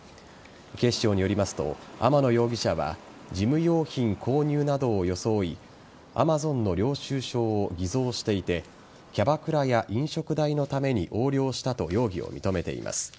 警視庁によりますと天野容疑者は事務用品購入などを装いＡｍａｚｏｎの領収書を偽造していてキャバクラや飲食代のために横領したと容疑を認めています。